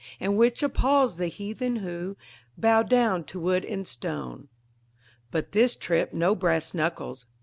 And which appals the heathen who Bow down to wood and stone. But this trip no brass knuckles.